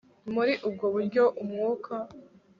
Muri ubwo buryo umwuka